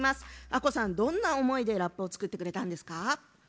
あっこさん、どんな思いでラップを作ってくれたんですか？